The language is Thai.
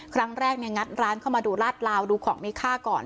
ครั้งแรกงัดร้านเข้ามาดูลาดลาวดูของมีค่าก่อน